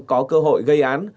có cơ hội gây án